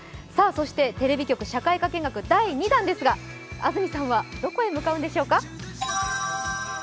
テレビ局社会科見学第２弾ですが、安住さんはどこへ向かうんでしょうか？